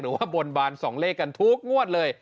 หรือว่าบนบานสองเลขกันทุกงวดเลย